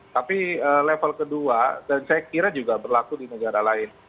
tapi level kedua dan saya kira juga berlaku di negara lain